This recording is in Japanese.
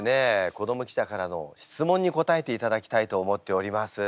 子ども記者からの質問に答えていただきたいと思っております。